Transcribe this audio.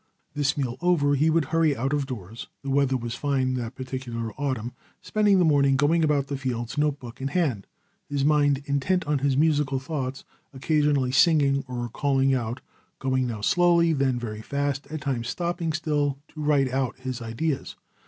This meal over he would hurry out of doors, (the weather was fine that particular autumn) spending the morning going about the fields, note book in hand, his mind intent on his musical thoughts, occasionally singing or calling out, going now slowly, then very fast, at times stopping still to write out his ideas.